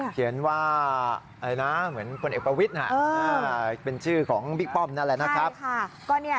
เขียนว่าเหมือนพลเอกประวิทธิ์เป็นชื่อของบิ๊กป้อมนั่นแหละ